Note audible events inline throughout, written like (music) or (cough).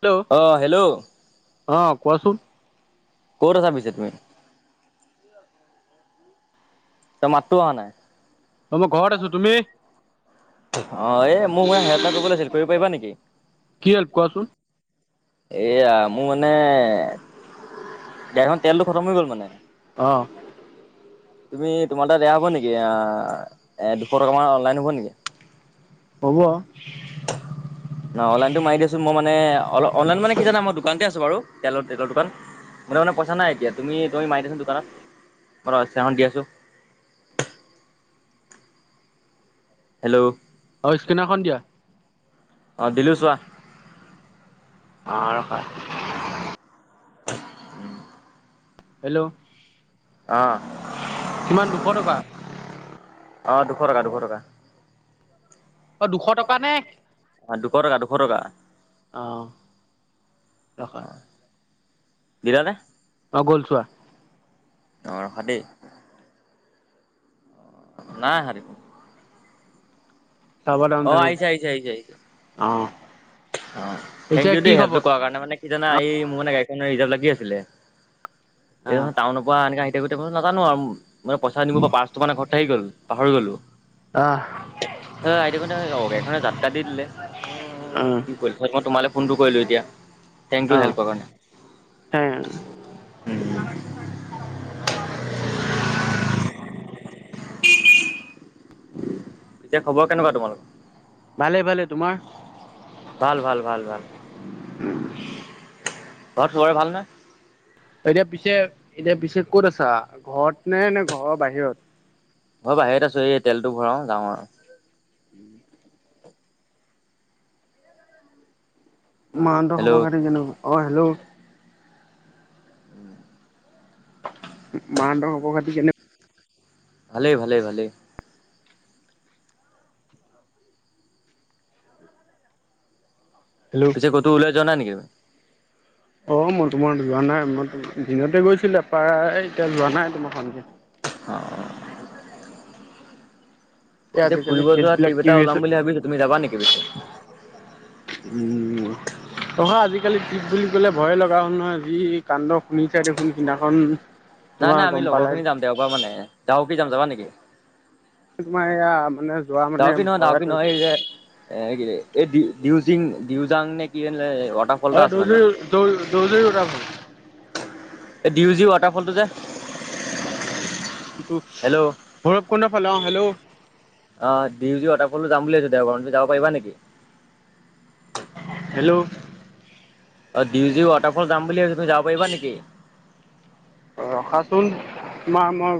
Hello অ', hello? অ', কোৱাচোন। ক'ত আছা পিছে তুমি? তোমাৰ মাতো অহা নাই। অই মই ঘৰত আছো, তুমি? অ', এই মোৰ মানে হেল্প এটা কৰিব লাগিছিল কৰিব পাৰিবা নেকি? কি হেল্প কোৱাচোন? এয়া মোৰ মানে গাড়ীখনত তেলটো খতম হৈ গ'ল মানে। অ'। তুমি তোমাৰ তাত এইয়া হ'ব নেকি দুশ টকা মান অনলাইন হ'ব নেকি? হ'ব। (inaudible) অ', অনলাইনতটো মাৰি দিছো মই মানে অল অনলাইন মানে কি জানা মই দোকানতে আছো বাৰু তেলৰ তেলৰ দোকান। মোৰ তাত মানে পইচা নাই এতিয়া তুমি তুমি মাৰি দিয়াচোন দোকানত মই তোমাক স্কেনাৰ খন দি আছো। হেল্ল'? অ', স্কেনাৰ খন দিয়া। অ', দিলোঁ চোৱা। অ', ৰখা। (inaudible) হেল্ল'? আহ, কিমান দুশ টকা আহ দুশ টকা দুশ টকা। অ', দুশ টকা নে? অ', দুশ টকা। দুশ টকা অ', ৰখা। দিলা নে? অ', গ'ল ছোৱা। অ', ৰখা দেই। নাই অহা দেখোন। চাৰ্ভাৰ ডাউন অ আহিছে চাগে, আহিছে আহিছে আহিছে অ'। অ', থেংক এতিয়া ইউ কি দেই হেল্পটো খবৰ কৰাৰ কাৰণে, মানে কি জানা এই মোৰ মানে গাড়ীখন ৰিজাভ লাগি আছিলে। এই আহ ডোখৰ টাউনৰ পৰা এনেকা আহি থাকোঁতে নাজানো আৰু মানে পইচা নিব পাৰ পাৰচ ত' মানে ঘৰত থাহি গ'ল, পাহৰি গ'লো। আহ অ', আই দেখ ত' গাড়ীখনে জাটকা দি দিলে। উ। কি কৰিলো হয়, মই তোমালৈ ফোনটো কৰিলোঁ এতিয়া। থেংক ইউ আহ হেল্পৰ কাৰণে (unintelligible) (inaudible) এতিয়া খবৰ কেনেকোৱা তোমালোকৰ? ভালে, ভালে তোমাৰ? ভাল, ভাল, ভাল, ভাল। ঘৰত চবৰে ভালনে? এতিয়া পিছে, এতিয়া পিছে ক'ত আছা? ঘৰত নে, নে ঘৰৰ বাহিৰত। মই বাহিৰত আছো, এই তেলটো ভৰাওঁ, যাওঁ আৰু। উ। মাহতঁৰ আৰু হেল্ল' খবৰ খাতি কেনেকোৱা? অ'হেল্ল'! উ। মাহতঁৰ খবৰ-খাতি কেনে ভালেই, ভালেই, ভালেই। হেল্ল' পিছে ক'তো ওলাই যোৱা নাই নেকি? অ', মই তোমাৰ যোৱা নাই মই, দিনতে গৈছিলো প্ৰায় এতিয়া যোৱা নাই তোমাৰ সন্ধিয়া। অ'। এই এতিয়া আজিকালি ফুৰিব কেচ যোৱা বিলাক ট্ৰিপ কি এটা হৈ ওলাম বুলি ভাবিছো, তুমি যাবা নেকি পিছে? উ। নহয়, আজিকালি ট্ৰিপ বুলি ক'লে ভয়ে লগা হ'ল নহয়, যি কাণ্ড শুনিচাই দেখোন। সিদিনাখন নাই তোমাৰ নাই আমি গম লগৰ পালাই খিনি যাম দেওবাৰ মানে, ডাউকী যাম যাবা নেকি? তোমাৰ, এয়া মানে যোৱা মানে ডাউকি নহয় ডাউকি ভয়ত নহয় এই যে এ, কি এই দিউ-দিউজিং দিউজাং নে কি আছিলে ৱাটা অ', দৰ্জি দজ দৰ্জি উঠাম। এই ডিউ জি ৱাটাৰফলটো যে। (unintelligible) হেল্ল' ভৈৰৱ কুণ্ড ফালে, অ', হেল্ল'! অ', ডিউজি ৱাটাৰফলটো যাম বুলি ভাবিছোঁ দেওৰাৰ মানে, তুমি যাব পাৰিবা নিকি? হেল্ল'! অ', ডিউজি ৱাটাৰফল যাম বুলি ভাবিছোঁ, তুমি যাব পাৰিবা নিকি? ৰখাচোন, তোমাক মই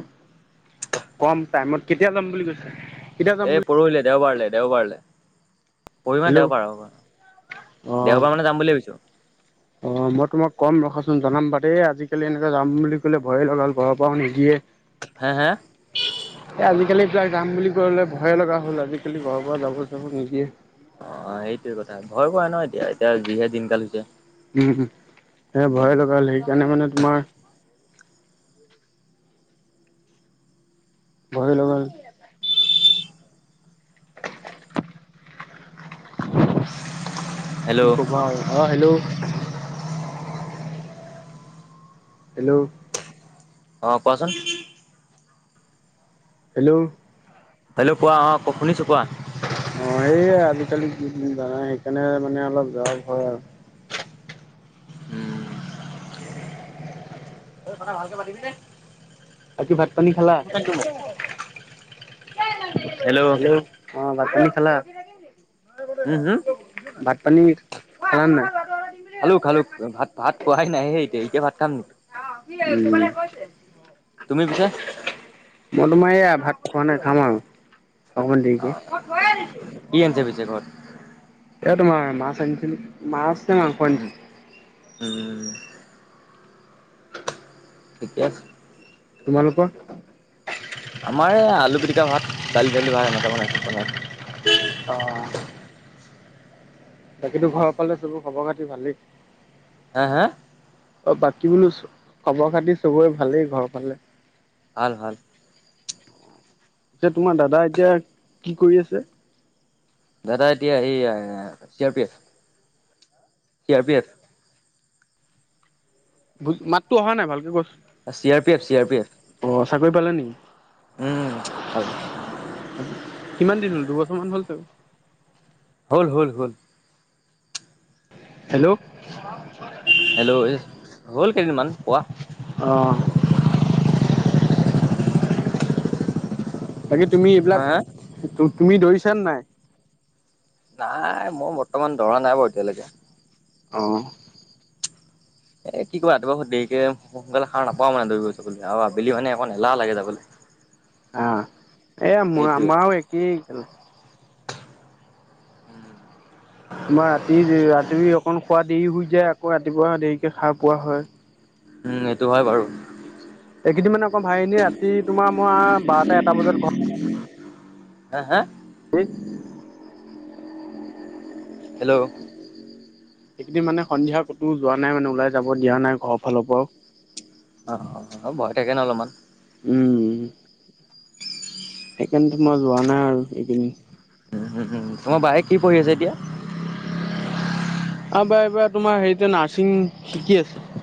কম টাইমত, কেতিয়া যাম বুলি কৈছে? কেতিয়া যাম এই বুলি পৰহিলে, দেওবাৰলৈ, দেওবাৰলৈ। পৰহি মানে দেওবাৰ হেল্ল' অ', অ দেওবাৰ মানে যাম বুলি ভাবিছোঁ। অ', মই তোমাক কম ৰখাচোন, জনাম বা দেই আজিকালি এনেকে যাম বুলি ক'লে ভয়ে লগা হ'ল। ঘৰৰ পৰাও নিদিয়ে। হে, হে। এ, আজিকালি এইবিলাক যাম বুলি ক'লে ভয়ে লগা হ'ল, আজিকালি ঘৰৰ পৰা যাব চাব নিদিয়ে। অ', সেইটোয়ে কথা, ভয় কৰে ন এতিয়া। এতিয়া যিহে দিনকাল হৈছে। উ। সেয়ে ভয়ে উম লগা হ'ল সেইকাৰণে মানে তোমাৰ ভয় লগা হ'ল। (inaudible) কি ক'বা আৰু, অ', হেল্ল'! হেল্ল'! অ', কোৱাচোন? হেল্ল'? হেল্ল' কোৱা অ' শুনিছোঁ কোৱা? অ' এই আজিকালি য জানা সেইকাৰণে মানে অলপ জৰ হয় আৰু। উম অ' কথা ভালকৈ পাতিবি নে? বাকী ভাত পানী খালা হেল্ল'? অ' ভাত পানী খেলা, উম হম ভাত পানী খেলা নাই? খালো খালো, ভাত ভাত খোৱাই নাই হেই এতিয়া এতিয়া ভাত খাম নেকি। অ কি তে কৈছে। তুমি পিছে (unintelligible) মই তোমাৰয়া ভাত খোৱা নাই খাম আৰু। অকমান দেৰিকৈ। কি আনিছা পিছে ঘৰত এয়া তোমাৰ মাছ আনিছিল, মাছ ন মাংস উম আনিছিল। উম ঠিকে আছে। তোমালোকৰ? আমাৰ এই আলু পিটিকা ভাত, দালি চালি ভাত এনেকাে বনাইছো বনাই। অঁ। বাকিতো ঘৰৰ ফালে চবোৰ খবৰ খাতি ভালেই। হা হা? অ' বাকী বোলো খবৰ খাতি চবৰে ভালেই ঘৰ ফালে। ভাল ভাল। এতিয়া তোমাৰ দাদা এতিয়া কি কৰি আছে? দাদা এতিয়া সেই চি আৰ পি এফ। (unintelligible) বুজ, মাতো অহা নাই ভালকে কোৱাচোন। C R P F C R P F. অ' চাকৰি পালে নেকি? উম পালে। কিমান দিন হ'ল দুবছৰমান হল চাগে। হ'ল হ'ল হ'ল। হেল্ল'? হেল্ল' এই হ'ল কেইদিনমান পোৱা। অঁ। বাকি তুমি এইবিলাক হা তুমি ধৰিছা নে নাই? নাই মই বৰ্তমান দৌৰা নাই বাৰু এতিয়ালৈকে। অঁ' এ' কি কবা ৰাতিপুৱা বহুত দেৰিকে সোনকালে সাৰ নাপাও মানে দৌৰিব যাবলৈ আৰু আবেলি মানে অকখন এলাহ লাগে যাবলে। আহ, এ' মই এইটোৱে আমাৰও একেই তোমাৰ ৰাতি- ৰাতি অকন শুৱা দেৰি হৈ যায় আকৌ ৰাতিপুৱা দেৰিকে সাৰ পোৱা হয়। উম, সেইটো হয় বাৰু এইকেইদিন মানে অকৌ (unintelligible) ৰাতি তোমাৰ মই বাৰটা এটা বজাত ঘৰত হা হা (inaudible) হেল্ল'? সেইখিনি মানে সন্ধিয়া ক'তো যোৱা নাই মানে, ওলাই যাব দিয়া নাই ঘৰ ফালৰ পৰাও। অঁ অঁ ভয় থাকে ন অলপমান। উম। উম (unintelligible) সেইকাৰণেতো মই যোৱা নাই আৰু এইকেদিন। উম, উম, উম, তোমাৰ বাইয়ে কি পঢ়ি আছে এতিয়া? আমাৰ বায়ে এইবাৰ তোমাৰ হেৰিতো নাৰ্ছিং শিকি আছে।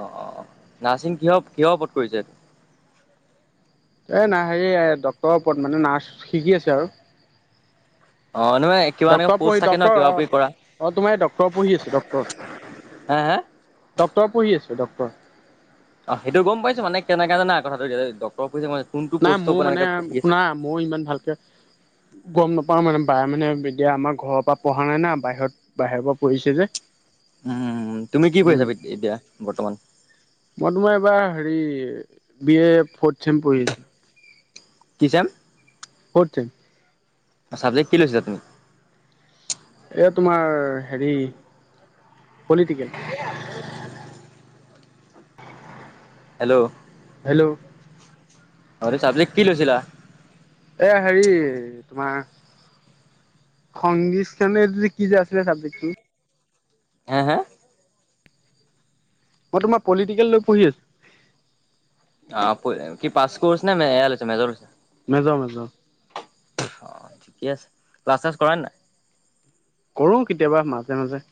অ', অ', অ', নাৰ্ছিং কিহৰ কিহৰ ওপৰত কৰিছে? এ নাই হেৰি ডক্তৰ ওপৰত মানে নাৰ্ছ শিকি আছে আৰু অ', নহয় কিবা এনেকুৱা ডক্টৰ প'ষ্ট পঢ়ি থাকে ন ডক্টৰ কিবা অ', কিবি কৰা অ', তোমাৰ ডক্টৰ পঢ়ি আছো ডক্টৰ হা হা ডক্টৰ পঢ়ি আছে ডক্টৰ। অ', সেইটো গম পাইছো মানে কেনেকা জানা কথাটো ডক্টৰ পঢ়িছে কোনটো পষ্টৰ পৰা এনেকে পঢ়ি আছে। মইও ইমান ভালকে গম নাপাওঁ মানে বা মানে এতিয়া আমাৰ ঘৰৰ পা পঢ়া নাই না বাহিৰত বাহিৰ পা পঢ়িছে যে উম, তুমি কি উম, কৰিছা এতিয়া বৰ্তমান? মই তোমাৰ এইবাৰ হেৰি বি এ ফৰ্ট ছেম পঢ়ি আছো। কি ছেম? Fort sem. চাবজেক্ট কি লৈছা তুমি? এই তোমাৰ হেৰি পলিটিকেল। (unintelligible) হেল্ল' হেল্লৌ' অতে চাবজেক্ট কি লৈছিলা? এ হেৰি তোমাৰ খংগিছ খানে কি যে আছিলে যে চাবজেক্ট টো। হে হে মই তোমাৰ পলিটিকেল লৈ পঢ়ি আছোঁ। অ', পই কি পাছ কোৰ্চ নে মেয়া লৈছা মেজৰ লৈছা? Major major. অ', ঠিকে আছে ক্লাছ ছ্লাছ কৰা নাই? কৰো কেতিয়াবা মাজে মাজে।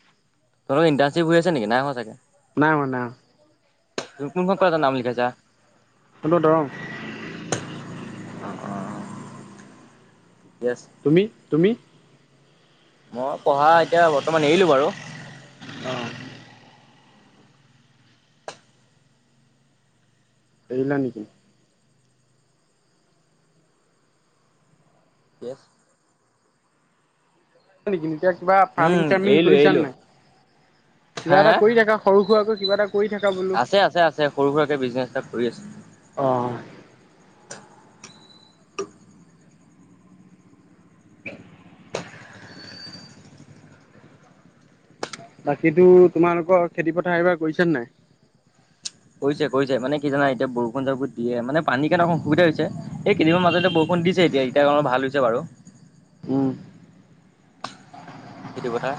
তোমালোকৰ ইণ্টাৰ্ণশ্বিপ হৈ আছে নিকি নাই হোৱা চাগে? নাই হোৱা নাই তুমি কোনখন কলেজত নাম লিখাইছা? হোৱা দৰং অ', অ', ঠিকে আছে। তুমি তুমি মই পঢ়া এতিয়া বৰ্তমান এৰিলো বাৰু অ' এৰিলা নেকি কিয়ছ হয় নিকি এনেকুৱা কিবা ফাৰ্মিং উম, চাৰ্মিং এৰিলো কৰিছানে এৰিলো নাই হা কিবা এটা হা কৰি থাকা সৰু সুৰাকৈ কিবা এটা কৰি থাকা বোলো। আছে আছে আছে সৰু সুৰাকে বিজনেছ এটা কৰি আছো অঁ বাকীতো তোমালোকৰ খেতি পথাৰ এইবাৰ কৰিছা নে নাই কৰিছে কৰিছে মানে কি জানা এতিয়া বৰষুণ চবোৰ দিয়ে মানে পানী কেনেক অসুবিধা হৈছে কেইদিনমান মাজতে বৰষূণ দিছে এতিয়া এতিয়া অকন ভাল হৈছে বাৰু উম। সেইটো কথা।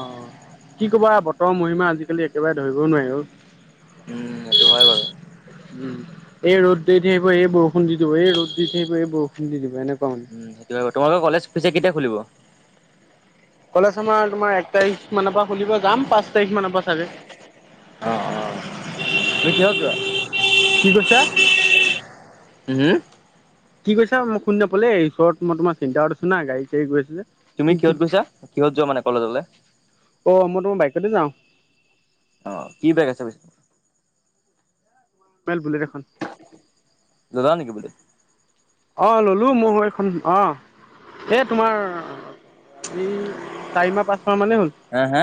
অ কি কবা বতৰৰ মহিমা আজিকালি একেবাৰে ধৰিবও নোৱাৰি আৰু উম সেইটো হয় বাৰু উম এই ৰ'দ দি ধিব এই বৰষুণ দি দিব এই ৰ'দ দি থাকিব এই বৰষুণ দি দিব এনেকুৱা মান উ সেইটোৱে তোমালোকৰ কলেজ পিচে কেতিয়া খুলিব কলেজ আমাৰ তোমাৰ এক তাৰিখ মানৰ পৰা খুলিব যাম পাঁচ তাৰিখ মানৰ পৰা চাগে অ অ (unintelligible) কিহত যোৱা কি কৈছা? (unintelligible) হু হু কি কইচা মই শুনি নাপাল এই ওচৰত মই তোমৰ চিন্তাৰত আছো না গাড়ী চাৰি গৈ আছে যে তুমি কি কি কিহত গৈছা কিহত যোৱা মানে কলেজলে অঁ মই তোমাৰ বাইকতে যাওঁ অ কি বেগ আছে পেছ (unintelligible) মেল বুলেট এখন দাদাঅ (unintelligible) নেকি বোলেট অ ললো মোৰ হয় এখন অ এই তোমাৰ আজি চাৰি মাহ পাঁচ মাহ মানে হ'ল হা হা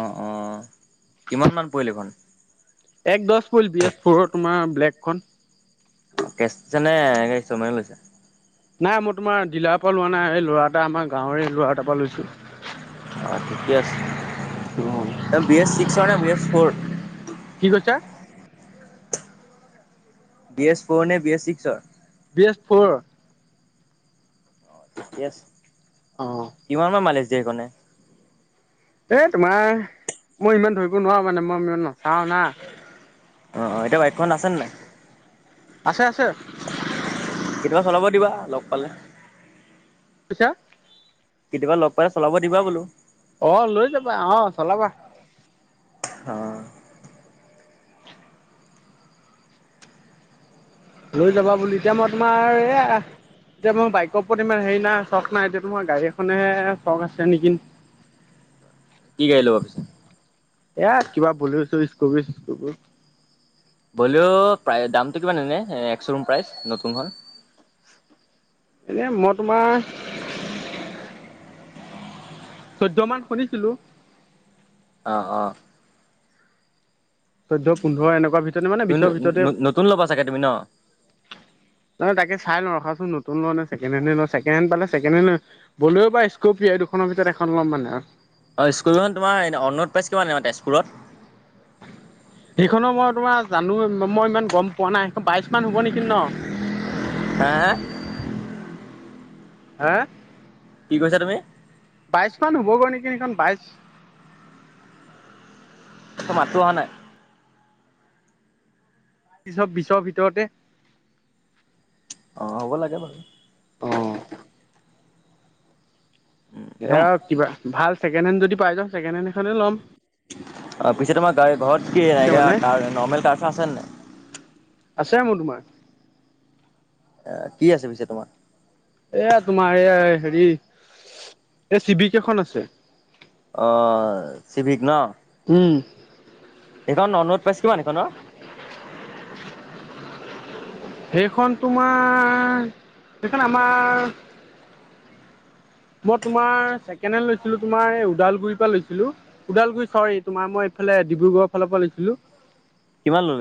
অঁ অঁ কিমান মান পৰিল এখন এক দচ ফুল বি এছ ফ'ৰৰ তোমাৰ ব্লেগখন কেচ নে এনে স্তলমেন লৈচা নাই মই তোমাৰ ডিলাৰ পৰা লোৱা নাই এই ল'ৰা এটা আমাৰ গাঁৱৰে এই ল'ৰা এটা পৰা লৈছো অ ঠিকে আছে এ বি এছ চিক্সৰ নে বি এছ ফৰ কি কৈছা বি এছ ফ'ৰ নে বি এছ ছিক্সৰ বি এছ ফৰ ঠিকে আছ অ কিমান মান মালিচ দিয়ে সেইখণে এই তোমাৰ মই ইমান ধৰিব নোৱাও মানে মই ইমান নচাওঁ না অ অ এতিয়া বাইকখন আছেনে নাই আছে আছে কেতিয়াবা চলাব দিবা লগ পালে কিছা কেতিয়াবা লগ পালে চলাব দিবা বোলো অ লৈ যাবা অ চলাবা অ লৈ যাবা বুলি এতিয়া মই তোমাৰ এইয়া এতিয়া মই বাইকৰ ওপৰত ইমান হেৰি নাই চখ নাই এতিয়া মোৰ গাড়ী এখনহে চখ আছে নেকি কি গাড়ী ল'বা পিছে এয়া কিবা বলেও চ ইচকপি চিছকপি বলেও প্ৰায় দামটো কিমান এনে একশ ক্ৰম প্ৰাইচ নতুনখন? এনে মই তোমাৰ চৈধ্য মান শুনিছিলো। অ ', অ' চৈধ্য পোন্ধ এনেকুৱা ভিত- ত' নতুন ল'বা চাগে তুমি ন? ন' তাক চাই লওঁ ৰখাচোন নতুন লও নে চেকেণ্ড হেণ্ড লও, চেকেণ্ড হেণ্ড পালে চেকেণ্ড হেণ্ড বলেও বা স্কোপ পিয়েৰ এই দুখনৰ ভিতৰত এখন ল'ম মানে আৰু। অ স্কৰিখন তোমাৰ অনণোধ (unintelligible) প্ৰাইজ কিমানাৰ তেজপুৰত সেইখনো মই তোমাৰ জানো মই ইমান গম পোৱা নাই? সেইখন বাইশ মান হ'ব নেকি ন? হে হে? হা কি কৈছা তুমি? বাইছমান হ'বগৈ নেকি সেইখন বাইছ তোৰ মাতটো অহা নাই। বিছৰ ভিতৰতে। অঁ' হ'ব লাগে বাৰু। অ। এ কিবা ভাল ছেকেণ্ড হেণ্ড যদি পাই যওঁ ছেকেণ্ড হেণ্ড এখনে ল'ম। অ' পিছে তোমাৰ গাড়ী ঘৰত কি এতিয়া এ মানে কাৰ নৰ্মেল কাৰ চাৰ আছে নাই? আছে মোৰ তোমাৰ। এ কি আছে পিছে তোমাৰ? এয়া তোমাৰ এইয়া হেৰি এই চিবিক এখন আছে। অ', চিভিক ন? উম। এইখন নোট পাইছ কিমান সেইখনৰ? সেইখন তোমাৰ সেইখন আমাৰ- মই তোমাৰ ছেকেণ্ড হেণ্ড লৈছিলো, তোমাৰ এই ওদালগুৰিৰ পৰা লৈছিলো। ওদালগুৰি চৰি, তোমাৰ মই এইফালে ডিব্ৰুগড়ৰ ফালৰ পৰা লৈছিলো। কিমান ল'লে?